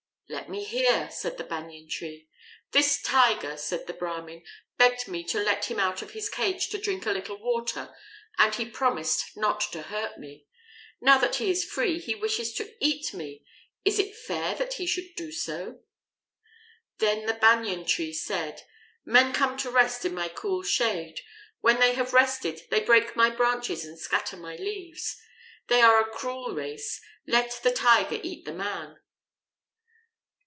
"Let me hear," said the Banyan tree. "This Tiger," said the Brahmin, "begged me to let him out of his cage to drink a little water and he promised not to hurt me. Now that he is free, he wishes to eat me. Is it fair that he should do so?" Then the Banyan tree said: "Men come to rest in my cool shade. When they have rested, they break my branches and scatter my leaves. They are a cruel race. Let the Tiger eat the man."